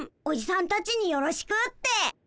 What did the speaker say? おじさんたちによろしくって。